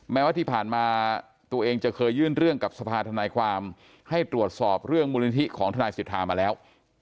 แม้ว่าที่ผ่านมาตัวเองจะเคยยื่นเรื่องกับสภาธนายความให้ตรวจสอบเรื่องมูลนิธิของทนายสิทธามาแล้ว